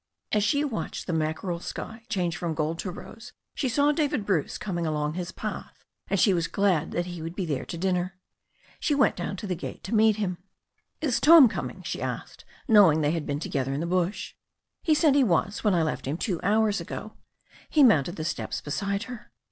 As she watched the mackerel sky change from gold to rose she saw David Bruce coming along his path, and she was glad that he would be there to dinner. She went down to the gate to meet him. 'Is Tom coming?" she asked, knowing they had been to gether in the bush. '*He said he was when I left him two hours ago." He mounted the steps beside her.